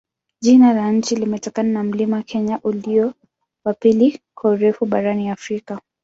Jina la nchi limetokana na mlima Kenya, ulio wa pili kwa urefu barani Afrika.